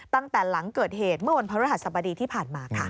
ตั้งแต่หลังเกิดเหตุเมื่อวันพระรหัสบดีที่ผ่านมาค่ะ